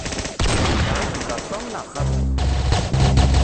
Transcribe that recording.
Da i yella Tom, neɣ xaṭi?